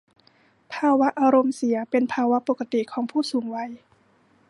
ภาวะอารมณ์เสียเป็นภาวะปกติของผู้สูงวัย